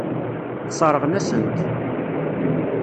Sseṛɣen-asen-t.